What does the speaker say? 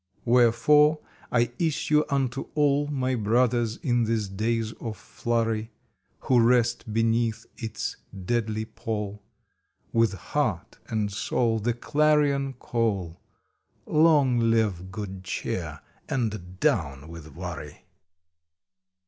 Wherefore, I issue unto all My Brothers in these days of flurry, Who rest beneath its deadly pall With heart and soul the clarion call Long live Good Cheer, and down with Worry